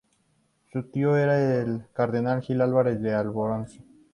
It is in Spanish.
Su tío era el cardenal Gil Álvarez de Albornoz.